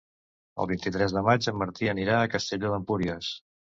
El vint-i-tres de maig en Martí anirà a Castelló d'Empúries.